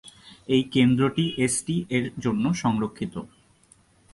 এই কেন্দ্রটি এসটি এর জন্য সংরক্ষিত।